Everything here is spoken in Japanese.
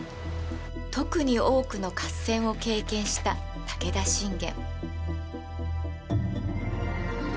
特に多くの合戦を経験した武田信玄。